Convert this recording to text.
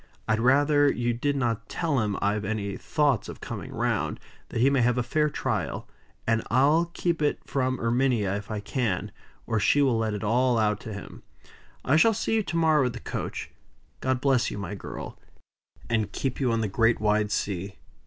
I'd rather you did not tell him I've any thoughts of coming round, that he may have a fair trial; and I'll keep it from Erminia if I can, or she will let it all out to him. I shall see you to morrow at the coach. God bless you, my girl, and keep you on the great wide sea."